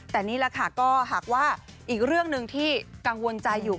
แต่นี่แหละค่ะก็หากว่าอีกเรื่องหนึ่งที่กังวลใจอยู่